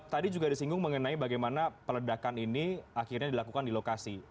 tadi juga disinggung mengenai bagaimana peledakan ini akhirnya dilakukan di lokasi